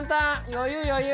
余裕余裕。